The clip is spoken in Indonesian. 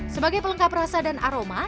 sebagai pelengkap rasa dan aroma